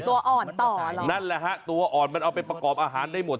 ตัวอ่อนต่อเหรอนั่นแหละฮะตัวอ่อนมันเอาไปประกอบอาหารได้หมด